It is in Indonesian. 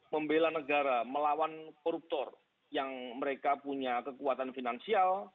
membela negara melawan koruptor yang mereka punya kekuatan finansial